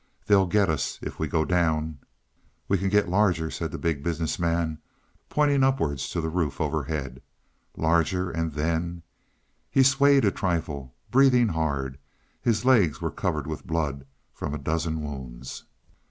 "They'll get us if we go down." "We can get larger," said the Big Business Man, pointing upwards to the roof overhead. "Larger and then " He swayed a trifle, breathing hard. His legs were covered with blood from a dozen wounds.